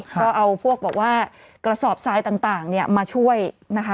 ก็เอาพวกกระสอบซ้ายต่างมาช่วยนะคะ